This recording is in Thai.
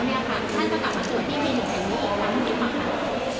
ท่านจะกลับมาตรวจที่มีหนุ่มแข่งนี้เองแล้วมันมีปัญหา